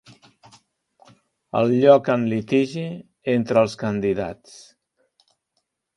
El lloc en litigi entre els candidats.